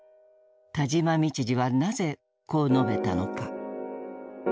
田島道治はなぜこう述べたのか。